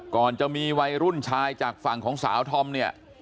ก่อนจะมีวัยรุ่นชายจากฝั่งของสาวธอมเนี่ย